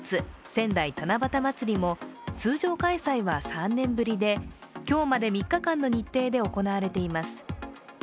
仙台七夕まつりも通常開催は３年ぶりで今日まで３日間の日程で行われています。